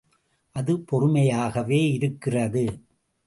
அது பொறுமையாகவே இருக்கிறது.